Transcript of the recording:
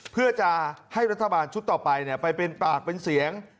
เพื่อจะให้รัฐบาลชุดต่อไปไปเป็นปากเป็นเสียง